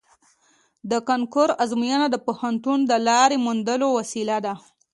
د کانکور ازموینه د پوهنتون د لارې موندلو وسیله ده